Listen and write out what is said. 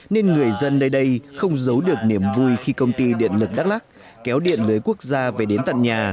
nên người dân nơi đây không giấu được niềm vui khi công ty điện lực đắk lắc kéo điện lưới quốc gia về đến tận nhà